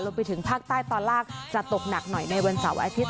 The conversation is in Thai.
ไปถึงภาคใต้ตอนล่างจะตกหนักหน่อยในวันเสาร์อาทิตย